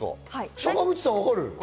坂口さん、分かる？